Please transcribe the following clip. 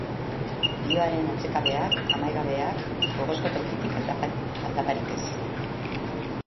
Lihoaren atsekabeak, amaigabeak. Gogozko tokitik, aldaparik ez!